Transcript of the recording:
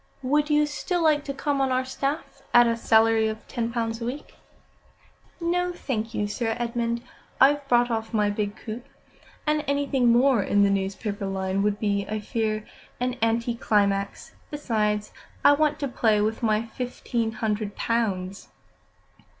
'" "Would you still like to come on our staff at a salary of ten pounds a week?" "No, thank you, Sir Edmund. I've brought off my big coup, and anything more in the newspaper line would be, I fear, an anticlimax. Besides, I want to play with my fifteen hundred pounds."